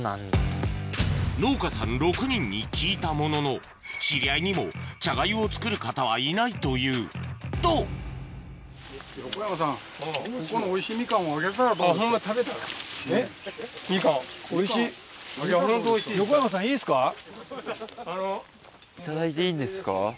農家さん６人に聞いたものの知り合いにもチャガユを作る方はいないというと頂いていいんですか？